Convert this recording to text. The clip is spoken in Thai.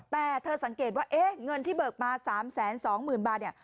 แต่เธอสังเกตว่าเงินที่เบิกมา๓๒๐๐๐บาทเนี่ย